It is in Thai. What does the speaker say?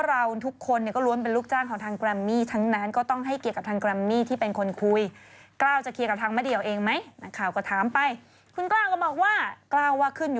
คำนี้หมายถึงว่าเป็นวัตถุบินที่ไม่ปรากฏอัตลักษณ์